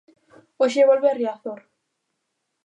Hoxe volve a Riazor.